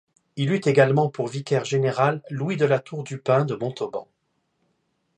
Il eut également pour vicaire général Louis de La Tour du Pin de Montauban.